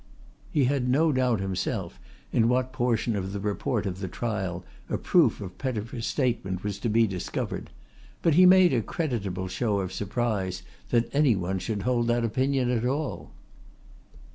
He had no doubt himself in what portion of the report of the trial a proof of Pettifer's statement was to be discovered, but he made a creditable show of surprise that any one should hold that opinion at all.